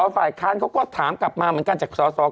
ฝ่ายค้านเราก็ถามแล้วก็ออกมากัน